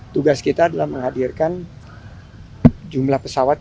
tugas kita adalah menghadirkan jumlah pesawat